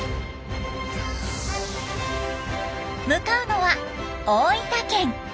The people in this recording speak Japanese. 向かうのは大分県。